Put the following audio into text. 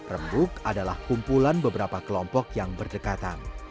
rembuk adalah kumpulan beberapa kelompok yang berdekatan